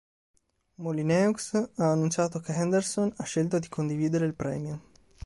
Molyneux ha annunciato che Henderson ha scelto di condividere il premio.